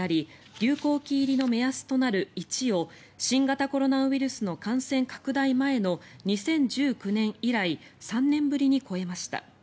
流行期入りの目安となる１を新型コロナウイルスの感染拡大前の２０１９年以来３年ぶりに超えました。